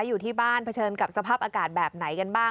อยู่ที่บ้านเผชิญกับสภาพอากาศแบบไหนกันบ้าง